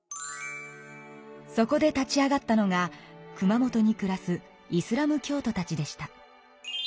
そこで立ち上がったのが熊本に暮らすイスラム教徒たちでした。